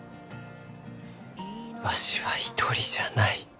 わしは一人じゃない。